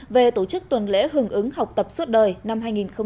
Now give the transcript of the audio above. về tổ chức tuần lễ hưởng ứng học tập suốt đời năm hai nghìn một mươi chín